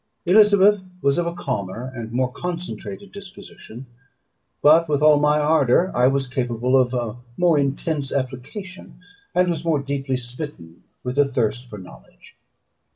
Elizabeth was of a calmer and more concentrated disposition; but, with all my ardour, I was capable of a more intense application, and was more deeply smitten with the thirst for knowledge.